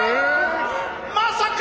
まさか！